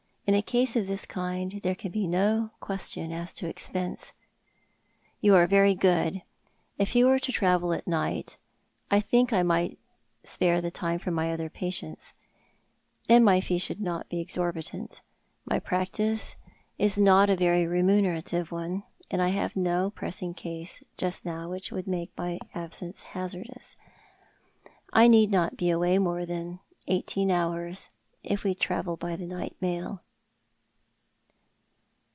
In a case of tbis kind there can be no question as to expense." Death in Life. 303 "You are very good. If he were to travel at night I think I might spare the time from my other patients ; and my fee should not be exorbitant. My practice is not a very remunerative one, and I have no pressing case just now wliich would uiako my absence hazanlous. I need not be away more than eighteen hours, if wo travel by the night mail."